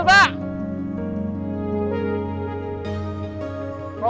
hai pa tuan pa